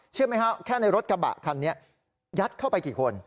เชื่อมั้ยฮะแค่ในรถกระบะคันนี้ยัดเข้าไปกี่คน